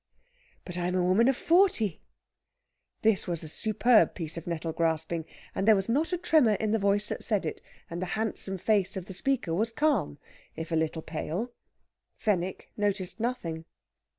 "But I'm a woman of forty." This was a superb piece of nettle grasping; and there was not a tremor in the voice that said it, and the handsome face of the speaker was calm, if a little pale. Fenwick noticed nothing.